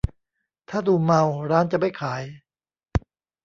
ถ้าดูเมาร้านจะไม่ขาย